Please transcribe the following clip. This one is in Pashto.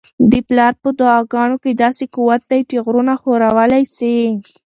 د پلار په دعاګانو کي داسې قوت دی چي غرونه ښورولی سي.